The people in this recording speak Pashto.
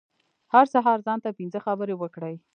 هر سهار ځان ته پنځه خبرې وکړئ .